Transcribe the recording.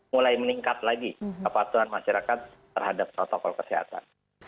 mulai meningkat lagi kepatuhan masyarakat terhadap protokol kesehatan